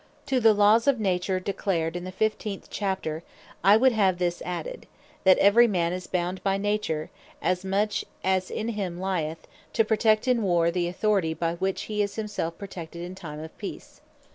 To the Laws of Nature, declared in the 15. Chapter, I would have this added, "That every man is bound by Nature, as much as in him lieth, to protect in Warre, the Authority, by which he is himself protected in time of Peace."